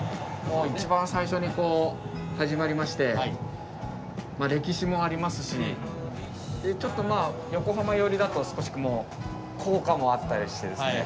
一番最初に始まりまして歴史もありますしちょっと横浜寄りだと少し高架もあったりしてですね